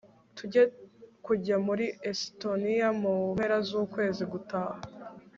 tugiye kujya muri esitoniya mu mpera z'ukwezi gutaha